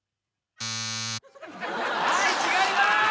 はい違います